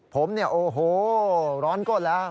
ผมเนี่ยโอ้โหร้อนก้นแล้ว